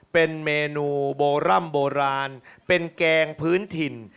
เป็นเมนูโบร่ำโบราณเป็นแกงพื้นถิ่น